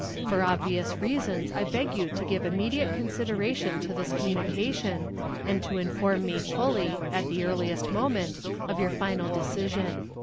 For obvious reasons I beg you to give immediate consideration to this communication, and to inform me fully, at the earliest moment, of your final decision."